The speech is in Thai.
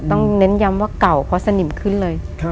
เน้นย้ำว่าเก่าเพราะสนิมขึ้นเลย